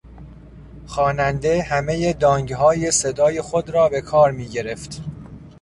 خواننده همهی دانگهای صدای خود را به کار میگرفت.